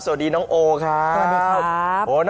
สวัสดีน้องโอครับสวัสดีครับ